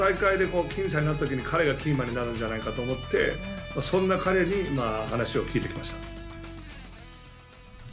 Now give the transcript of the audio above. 今大会で僅差になったときに彼がキーマンになるんじゃないかと思って、そんな彼に話を聞いてきました。